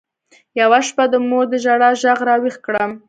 يوه شپه د مور د ژړا ږغ راويښ کړم.